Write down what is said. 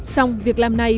xong việc làm này